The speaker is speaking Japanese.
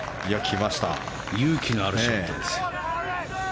勇気のあるショットです。